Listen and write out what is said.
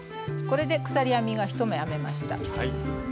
これで鎖編みが１目編めました。